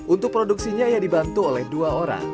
untuk produksinya ia dibantu oleh dua orang